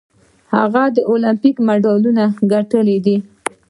هغه د المپیک مډالونه ګټلي دي.